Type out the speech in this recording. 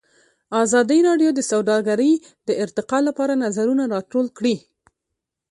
ازادي راډیو د سوداګري د ارتقا لپاره نظرونه راټول کړي.